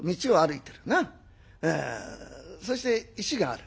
そして石がある。